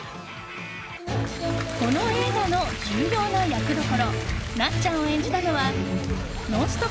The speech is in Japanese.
この映画の重要な役どころなっちゃんを演じたのは「ノンストップ！」